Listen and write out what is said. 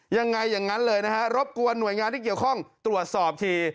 อย่างนั้นเลยนะฮะรบกวนหน่วยงานที่เกี่ยวข้องตรวจสอบที